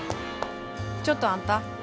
ちょっとあんた。